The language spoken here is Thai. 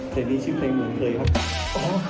เสร็จนี่ชื่อเพลงใหม่เจยครับ